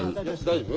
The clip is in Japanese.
大丈夫？